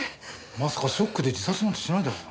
まさかショックで自殺なんてしないだろうな。